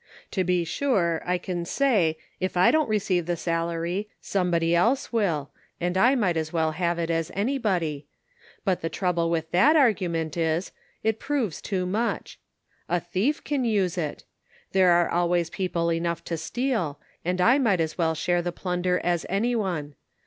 To be sure, I can say if I don't receive the salary somebody else will and I might as well have it as anybody, but the trouble with that argument is, it proves too much. A thief can use it ; there are always people enough to steal, and I might as well share the plunder as any one.